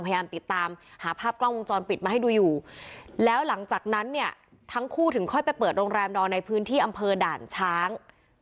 พยายามติดตามหาภาพกล้องวงจรปิดมาให้ดูอยู่แล้วหลังจากนั้นเนี่ยทั้งคู่ถึงค่อยไปเปิดโรงแรมนอนในพื้นที่อำเภอด่านช้าง